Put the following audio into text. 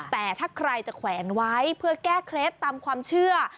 แต่ถ้าใครจะแขวนไว้เพื่อแก้เคล็ดตามความเชื่อ